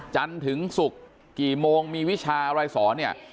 จันทร์ถึงศุกร์กี่โมงมีวิชาอะไรสอนเนี่ย